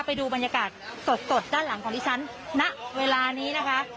ไปดูบรรยากาศสดด้านหลังของดิฉันณเวลานี้นะคะ